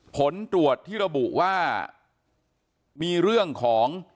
ผลตรวจที่ระบุว่ามีเรื่องของ